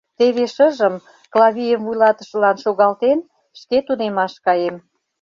Теве шыжым, Клавийым вуйлатышылан шогалтен, шке тунемаш каем.